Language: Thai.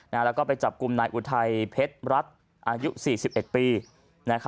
แล้วก็ไปจับกลุ่มนายอุทัยเพชรรัฐอายุ๔๑ปี